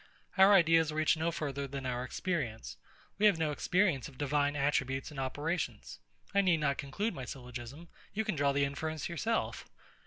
Our ideas reach no further than our experience. We have no experience of divine attributes and operations. I need not conclude my syllogism. You can draw the inference yourself.